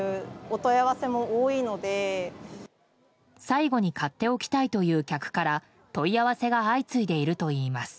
最後に買っておきたいという客から問い合わせが相次いでいるといいます。